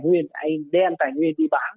tài nguyên anh đem tài nguyên đi bán